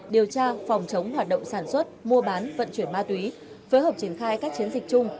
điều tra phòng chống hoạt động sản xuất mua bán vận chuyển ma túy phối hợp triển khai các chiến dịch chung